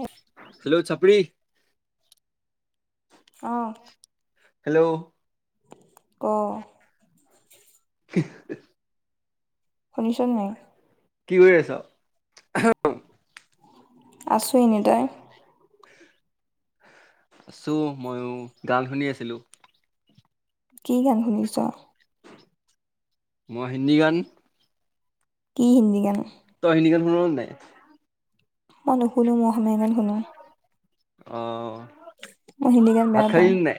উ [inaudible] হেল্ল' চাপৰি আহ হেল্ল' অ [inaudible] শুনিছ নাই কি কৰি আছা। আছোঁ এনে তই আছো ময়ো গান শুনি আছিলো। কি গান শুনিছ মই হিন্দী গান। কি হিন্দী গান তই হিন্দী গান শুনা নে নাই। মই নুশুনো মই অসমীয়া গান শুনো। অ মই হিন্দী গান ভাত বেয়া খালি পাওঁ। নে নাই?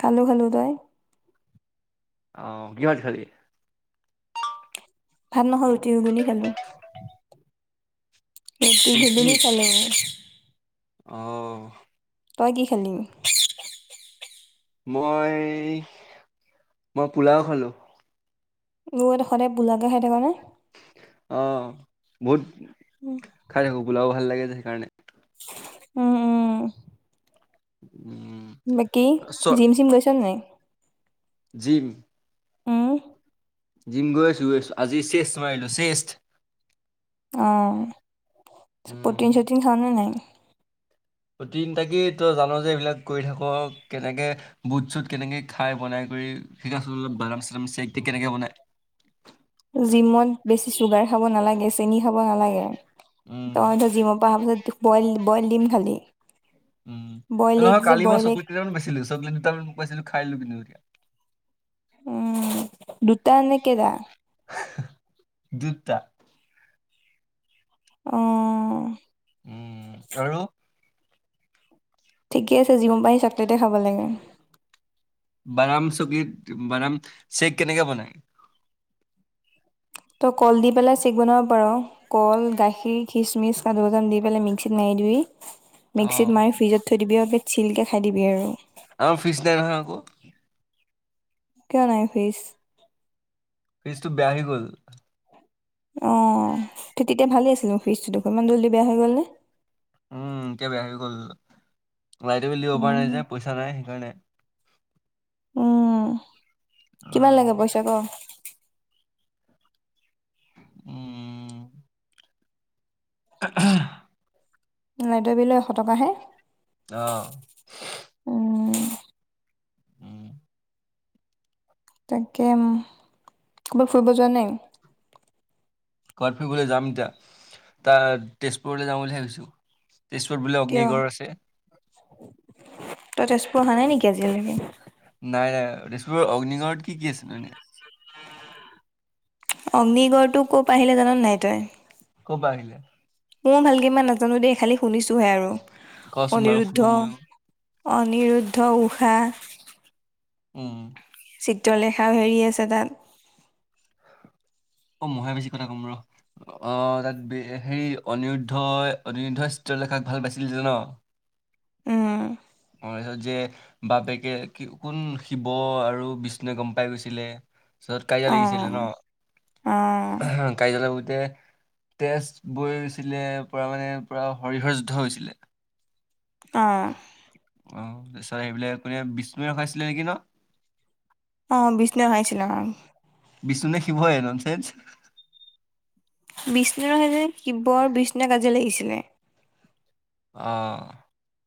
খালো খালো তই। আহ কি ভাত খালি ভাত নহয় ৰুটি ঘোগুনি খালো সেইটো সেদিনে খালো আহ তই কি খালি মই মই পোলাও খালো সদায় পোলাও কে খাই থাক নে অ বহুত উম, খাই থাকো পোলাও ভাল লাগে যে কাৰনে উম উম উম, বাকি চ জিম চিম গৈছ নাই। জিম ওমহ জিম গৈ আছো গৈ আছো আজি চেষ্ট মাৰিলো চেষ্ট। অঁ উম। পটিন চোটিন খাও নে নাই? প্ৰতিন টাকেই তই জানো যে এইবিলাক কৰি থাক, কেনেকে বুট চুট কেনেকে খাই বনাই কৰি শ আল বাদাম চাদাম চেক কেনেকে বনাই? জিমত বেছি চুগাৰ খাব নালাগে, চেনি খাব নালাগে। উম তইতো জিমৰ পৰা অহা পিছত বইল বইল দিম খালি? উম বইল এগ নহয় যে কালি মই বইল এগ চকলেটকেইটানমান বেচি লৈছো চকলেট দুটামান মোক কৈছে বোলে খাই ল'বি [unintelligible] উম। দুটা নে কেইটা? দুটা। অ'। উম, আৰু? ঠিকে আছে জিমৰ পা আহিছ? টাতে খাব লাগে। বাদাম চকীত বাদাম-চেক কেনেকে বনায়? ত' কল দি পেলাই চেক বনাব পাৰ! কল, গাখীৰ, খিচমিচ, কাজু-বাদাম দি পেলাই মিক্সিত মাৰি দিবি। অ মিক্সিত মাৰি ফ্ৰিজত থৈ দিবি আৰু পি চিলকে খাই দিবি আৰু। আমাৰ ফ্ৰিজ নাই নহয় আকৌ! কিয় নাই ফ্ৰিজ? ফ্ৰিজটো বেয়া হৈ গ'ল। অ' তে-তেতিয়া ভালে আছিল দেখোন ফ্ৰীজটো দেখোন, ইমান জল্ডি বেয়া হৈ গ'ল নে? উম এতিয়া বেয়া হৈ গ'ল। লাইটৰ বিল দিব পৰা উম নাই যে, পইচা নাই সেইকাৰণে। উম। কিমান লাগে উম পইচা ক? উম, [unintelligible] লাইটৰ বিলৰ এশ টকাহে। অ'। উম উম তাকে উম, ক'ৰবাত ফুৰিব যোৱা নাই? ক'ৰবাত ফুৰিবলৈ যাম এতিয়া, তাৰ তেজপুৰলৈ যাম বুলি ভাবিছোঁ । তেজপুৰত বোলে কিয় অগ্নিগড় আছে? তই তেজপুৰ অহা নাই নেকি আজিলৈকে? নাই নাই তেজপুৰৰ অগ্নিগড়ত কি কি আছেনো এনে? অগ্নিগড়টো ক'ৰ পৰা আহিলে জাননে নাই তই? ক'ৰ পৰা আহিলে? ময়ো ভালকে ইমান নাজানো দেই খালি শুনিছোহে আৰু । ক'চোন বাৰু শুনো ময়ো। অনিৰুদ্ধ, ঊষা উম চিত্ৰলেখাৰ হেৰি আছে তাত। অ' মইহে বেছি কথা ক'ম ৰ । অ' তাত হেৰি অনিৰুদ্ধই-অনিৰুদ্ধই চিত্ৰলেখাক ভাল পাইছিল যে ন? উম তাৰপিছত যে বাপেকে কোন শিৱ আৰু বিষ্ণুৱে গম পাই গৈছিলে। তাৰ পিছত কাজিয়া লাগিছিলে অ' ন অ' । কাজিয়া লাগোতে তেজবৈছিলে তাৰ পৰা মানে পুৰা হৰিহৰ যুদ্ধ হৈছিলে? আহ অ তাৰপিছত সেইবোলে কোনে বিষ্ণুয়ে ৰখাইছিলে নেকি ন । অ বিষ্ণুযে ৰখাইছিল অ। বিষ্ণু নে শিৱ হয় ননচেঞ্চ। বিষ্ণুযে ৰখাইছিল। শিৱযে বিষ্ণুযে কাজিয়া লাগিছিলে। অঁ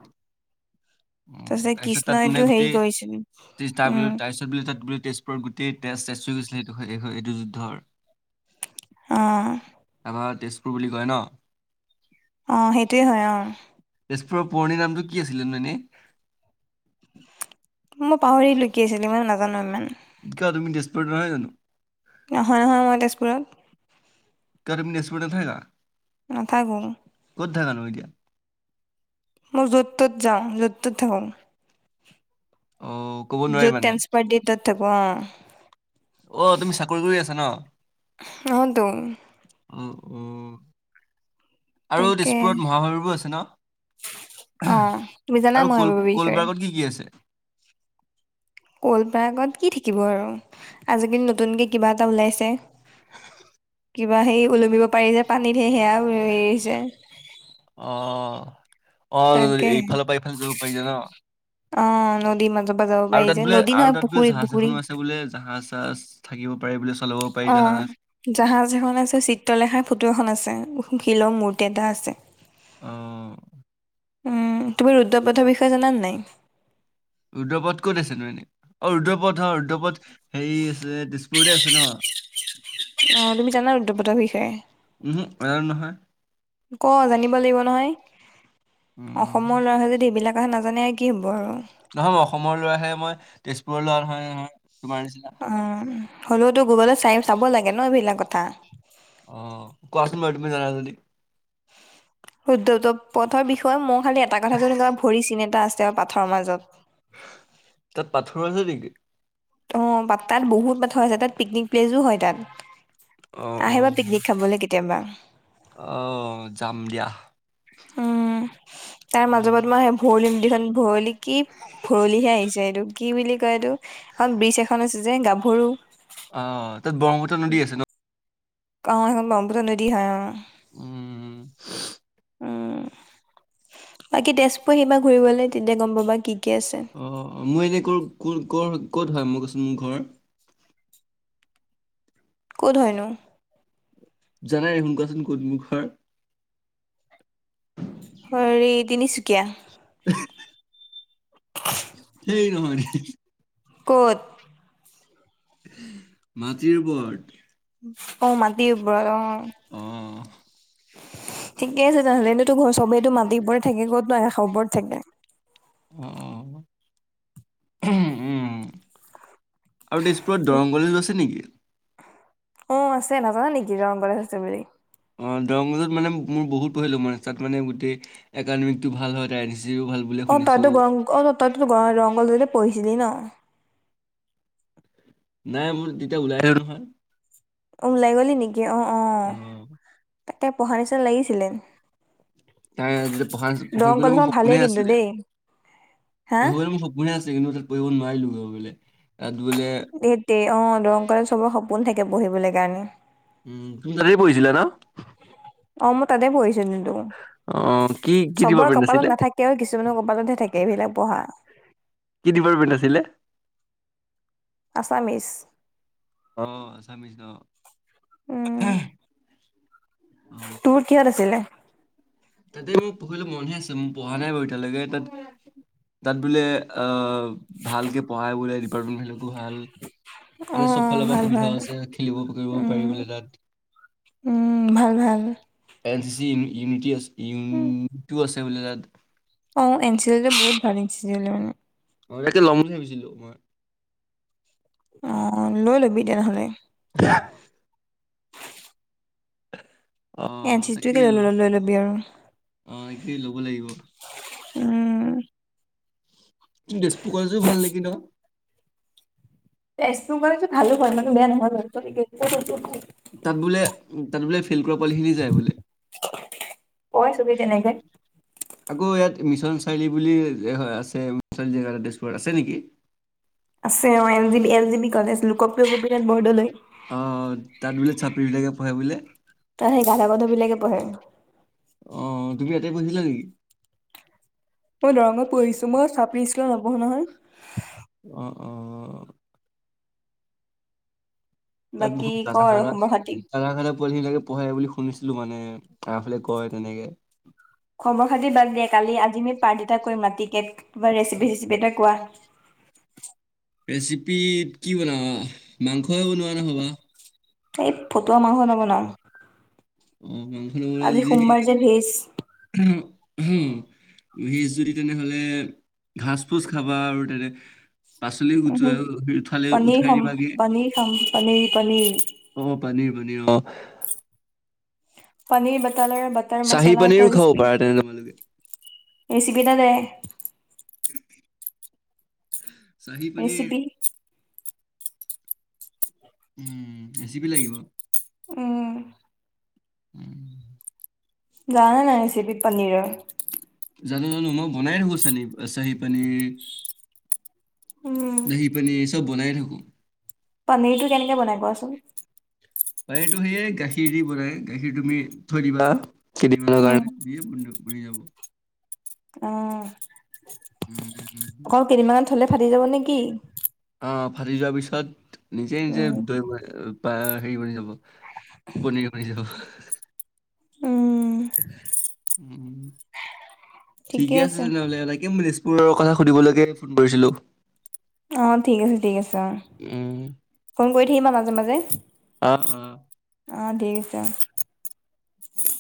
উ তাৰপিছত তাত মানে কৃষ্ণইটো হেৰি গোটেই কৰিছিল তাৰ উম তাৰ পিছত বোলে তাত বোলে? তেজপুৰৰ গোটেই তেজ তেজ হৈ গৈছিলে সেইটো এইটো যুদ্ধৰ। অ' তাক দেচোন । বুলি গৈ ন। অ সেইটোয়ে হয় অ। তেজপুৰৰ পুৰণি নামটো কি আছিলেনো এনে? মই পাহৰিলো কি আছিল ইমান নাজনো। অকণমান? কিয় তুমি নহয় জানো। নহয় নহয় মই তেজপুৰত? তুমি তেজপুৰত নাথাকা। নাথাকোঁ? কত থাকা নো এতিয়া? মই য'ত ত'ত যাওঁ য'ত ত'ত থাকো। অ' ক'ব নোৱাৰি যত মানে তেন্সপাৰ দিয়ে তাতে থাকো। অ অ তুমি চাকৰি কৰি আছা ন অতো উ। অ আৰু তাকে তেজপুৰত মহাশৰবো আছে ন অ তুমি জানা আৰু মই কল সেইবোৰৰ কলবাৰ্গত কি কি আছে? কল পাৰ্গত কি থাকিব আৰু। আজিকালি নতুনকে কিবা এটা ওলাইছে? কিবা সে ওলমিব পাৰিছে পানীত সে সেয়া হেৰিছে? অ অ তাকে এইফালৰ পৰা ইফালে যাব পাৰিল ন। অ নদী মাজত। পৰা যাব আৰু পাৰি তাত যে বোলে আৰু তাত বোলে জাহাজ এখনো আছে বোলে জাহাজ। থাকিব পাৰে বুলি? অ জাহাজ এখন আছে চিত্ৰলেখাই ফটো এখন আছে । শিলৰ মূৰ্তি এটা আছে । অহ উ তুমি ৰুদ্ৰপথৰ বিষয়ে জানা নাই? ৰুদ্ৰপদ ক'ত আছে নো? এনে অ ৰুদ্ৰপদ হয় ৰুদ্ৰপথ । সেই আছে। ঘৰতে আছে ন । অ তুমি জানা ৰুদ্ৰপতৰ বিষয়ে? উহু নাজানো নহয় ক জানিব লাগিব নহয়, অসমৰ উম লৰা ছোৱাল যদি এইবিলাক কথা নাজান জনে কি হ'ব আৰু? নহয় মই অসমৰ ল'ৰাহে মই তেজপুৰ সৰু লৰা নহয় নহয়। তোমাৰ নিচিনা অ। হ'লেওতো গুগলত চাই চাব লাগে ন এইবিলাক কথা। অ কোৱাচোন তুমি জানা যদি? উদ্ধ টো পথৰ বিষয়ে ময়ো খালি এটা কথা জনো কা ভৰি চিন এটা আছে। তেওঁ পাথৰ মাজত । তাত পাথৰ আছে নেকি? অ তাত বহুত পাথৰ আছে তাত পিকনিক প্লেচো হয় তাত অ আহিবা পিকনিক খাবলৈ কেতিয়াবা। [unintelligible] অহ যাম দিয়া। উম তাৰ মাজত মই স ভৰলি নদখন ভৰলি কি ভৰলিহে আহিছে এইটো । কি বুলি কয় এইটো? এখন ব্ৰিজ এখন আছে যে গা সৰু। অ। তাত ব্ৰহ্মপুত্ৰ নদী আছে ন । অ' সেইখন ব্ৰহ্মপুত্ৰ নদী হয় । অ [unintelligible] উম বাকী তেজপুৰ সিমা ঘূৰিবলৈ তেতিয়া গম পাবা কি কি আছে অ মই এনে কৰ ক কৰ ক'ত হয় মই কচোন মোৰ ঘৰ? ক'ত হয়নো? জানাই দেখোন কোৱাচোন কত মোৰ ঘৰ? [unintelligible] হয় হেৰি তিনিচুকীয়া । [unintelligible] সেই নহয়। ক'ত মাটিৰ ওপৰত অ মাটি উপৰত অ আহ ঠিকে আছে তেনেহ'লে এন্ত তোৰ ঘ চবেইো মাটিৰ ওপৰত থাকে ক'তো আকাশ ৰ ওপৰত থাকে আহ উম আৰু তেজপুৰত দৰংগলী আছে নেকি অ আছে নাজানা নেকি গমান প আছে বুলি অ দৰংগজত মানে মোৰ বহুত পঢ়িলো মানে তাত মানে গোটেই একাডেমিক টো ভাল হয় তাই আনি অ তাতো গৰং অ তাতো গ ৰংগল যতে পঢ়িছিলি ন নাই মোৰ তেতিয়া ওলাইে নহয় ওলাই গ'লি নেকি অ অ ততে পঢ়া নিচিনা লাগিছিলে তাই তেতিয়া পঢ়া দৰং পঢ়িবলৈ মোৰ কলেজখন সপোনে ভালেই কিন্তু আছিলে দেই হা পঢ়িবলৈ মোৰ সপোনে আছিলে কিন্তু। পৰি নোৱাৰিলো বোলে তাত বোলে সতে অ দৰংকাৰত চবৰ সপোন থাকে এতিয়া পঢ়িবলৈ কাৰণে উম তুমি তাতে পঢ়িছিলা ন। অ মই তাতে পহিছিলো অ কি কি চবৰ ডিপাৰ্টমেণ্ট কপালত আছিলে নাথাকেও কিছুমানৰ কপালতহে থাকে এইবিলাক পঢ়া কি ডিপাৰ্টমেণ্ট আছিলে আছামিছ আহ আছামিজ ন। উম অ তোৰ কিহত আছিলে তাতে মোক পঢ়িলে মনহে আছে মোৰ পঢ়া নাই বাৰু এতিয়ালৈকে তাত তাত বোলে অ ভালকে পঢ়াই বোলে পাৰেল ভাল অ অ এানে চব ফালৰ পৰা ভাল সুবিধাও ভাল আছে খেলিব মেলিবও পাৰি উম বোলে তাত উম ভাল ভাল এন চ ইউনটিজ উম, ইট আ [unintelligible] অ এন চি এল বহুত ভাল এন চিল মানে অ তয়াতে ল'ম বুলি ভাবিছিলো মই অ লৈ লবি তেনেহলে [unintelligible] এন আহ চি চিটোকে তাকেই লৈ ল লৈ ল'বি আৰু আহ একেই ল'ব লাগিব। উম তেজপুৰ কলেজো ভাল নেকি ন তেজপুৰ কলেজ ভালো হয় ইমানো বেয়া নহয় বাৰু তাত বোলে তাত বোলে ফেইল কৰা পোৱালিখিনি যায় বোলে [unintelligible] তেনেকে আকৌ ইয়াত মিছন চাৰিআলি বুলি হয় আছে মিছন জেগা এটা তেজপুৰত আছে নেকি? আছে অ L G B L G B college লোকক [unintelligible] বৰদলৈ অ তাত বোলে চাপৰি বিলাকে পঢ়ে বোলে তাত সেই গাধা গাধ বিলাকে পঢ়ে অ তুমি ইয়াতে পঢ়িছিলা‌ নেকি‌‌? মই দৰঙত পঢ়িছো মই চাপৰি স্কুলত নপহো নহয় অহ তাত বাকী বহুত ক আৰু দাৰাখাৰা খবৰ খাতি দাৰাখাৰা পোৱালি বিলাকে পঢ়ে বুলি শুনিছো ছিলো মানে আমাৰ ফালে কয় তেনেকে খবৰ খাতি বাদ দে কালি আজি আমি পাৰ্টি এটা কৰিম ৰাতিকে ৰেচিপি চেচিপি এটা কোৱা ৰেচিপিত কি বনাবা মাংস বনোৱা নহ'ব [unintelligible] ফটুৱা মাংস নবনাওঁ অ মাংস ভেজ [unintelligible] ওহো ভেজ যদি তেনেহ'লে এ ঘাছ ফোছ খাবা আৰু তেনে পাচলি উম হম উঠ- উঠালে পনীৰ উঠাই খাম দিবাগে পনীৰ খাম পনীৰ পনীৰ পানীৰ পানীৰ অ পানীৰ ব পনীৰ বাটাৰ চাহী মচালা পনীৰো এটা খাব ৰেচিপি পাৰা তেনে তোমালোকে ৰেচিপি এটা দে [inaudible] চাহিৰ পনীৰ ৰেচিপি উম ৰেচিপি লাগিব উম উম যানে নাই ৰেচিপি পনীৰৰ জানো জানো মই বনাই থাকো চাহি পনীৰ উম দহি পনীৰ এই চব বনায়ে থাকো পনীৰটো কেনেকে বনাই কোৱাচোন? পানীৰটো সেয়ে গাখীৰ দি বনাই গাখীৰ তুমি থৈ দিবা কেই দিন মানৰ উম কাৰণে বি ঘূৰি যাব অ উম অকল কেইদিমানত থলে ফাটি যাব নেকি? অ ফাটি যোৱাৰ পিছত নিজে নিজে দৈ বা হেৰি বনি যাব পনীৰ বনি যাব। উম উম ঠিকে আছে তেনেহ'লে। ৰ কথা সুধিবলৈকে ফোন মাৰিছিলোঁ। অ ঠিক আছে ঠিক আছে। উম ফোন কৰি। আহিম আ মাজে মাজে। উম উম। অ ঠিক আছে।